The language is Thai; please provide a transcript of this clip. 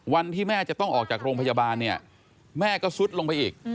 วันที่แม่จะต้องออกจากโรงพยาบาลเนี่ยแม่ก็ซุดลงไปอีก